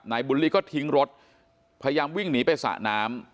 บุลลี่ก็ทิ้งรถพยายามวิ่งหนีไปสระน้ำ